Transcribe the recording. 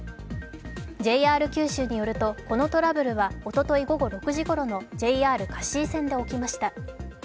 ＪＲ九州によると、このトラブルはおととい午後６時ごろのＪＲ香椎線で起きました。